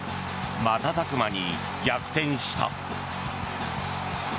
瞬く間に逆転した。